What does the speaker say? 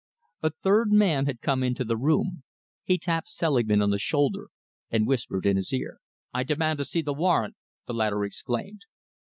A third man had come into the room. He tapped Selingman on the shoulder and whispered in his ear. "I demand to see your warrant!" the latter exclaimed.